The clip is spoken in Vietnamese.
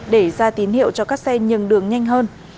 để ra tín hiệu cho các xe nhường đường nhanh hơn